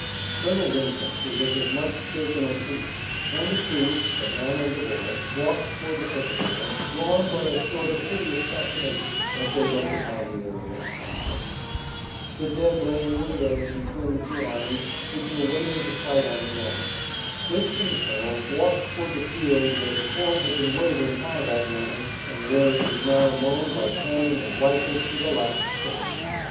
Colonel Winchester was as much shaken as he, and the two, the man and the boy, walked toward the picket line, drawn by a sort of hideous fascination, as they looked upon the area of conflict. The dead lay in windrows between the two armies which were waiting to fight on the dawn. Dick and the colonel walked toward the field where the corn had been waving high that morning, and where it was now mown by cannon and rifles to the last stalk.